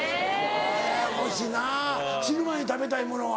ややこしいな死ぬ前に食べたいものは？